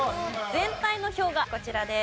全体の表がこちらです。